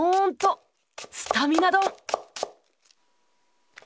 スタミナ丼。